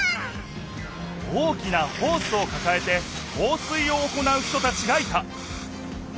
大きなホースをかかえて放水を行う人たちがいた。